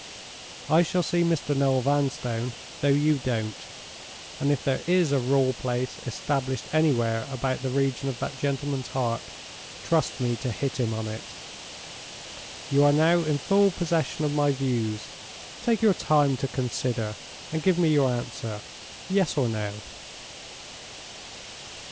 I shall see Mr. Noel Vanstone, though you don't; and if there is a raw place established anywhere about the region of that gentleman's heart, trust me to hit him on it! You are now in full possession of my views. Take your time to consider, and give me your answer—Yes or no."